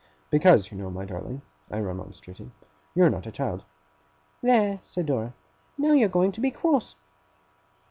'Because you know, my darling,' I remonstrated, 'you are not a child.' 'There!' said Dora. 'Now you're going to be cross!